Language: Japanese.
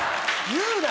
言うな！